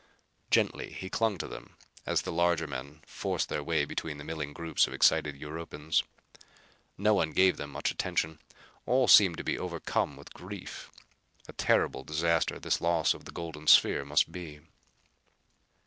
Gently he clung to them as the larger men forced their way between the milling groups of excited Europans. No one gave them much attention. All seemed to be overcome with grief. A terrible disaster, this loss of the golden sphere must be!